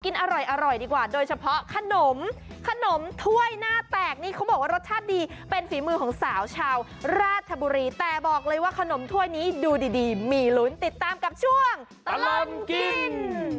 กินอร่อยดีกว่าโดยเฉพาะขนมขนมถ้วยหน้าแตกนี่เขาบอกว่ารสชาติดีเป็นฝีมือของสาวชาวราชบุรีแต่บอกเลยว่าขนมถ้วยนี้ดูดีมีลุ้นติดตามกับช่วงตลอดกิน